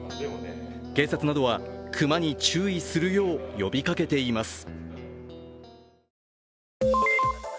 警察などは熊に注意するよう呼びかけています。